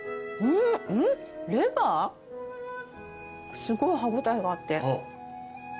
すごい歯応えがあって。